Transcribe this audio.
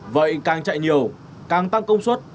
vậy càng chạy nhiều càng tăng công suất